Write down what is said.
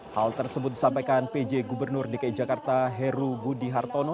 hal tersebut disampaikan pj gubernur dki jakarta heru budi hartono